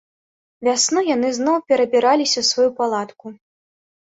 Вясной яны зноў перабіраліся ў сваю палатку.